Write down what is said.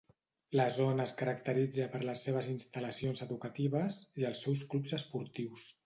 La zona es caracteritza per les seves instal·lacions educatives, i els seus clubs esportius.